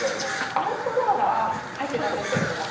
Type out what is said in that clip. アウトドアが入ってたんですけれども。